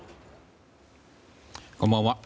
こんばんは。